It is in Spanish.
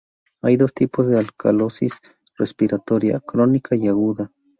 Hay dos tipos de alcalosis respiratoria: crónica y aguda.